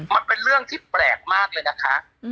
มันเป็นเรื่องที่แปลกมากเลยนะคะ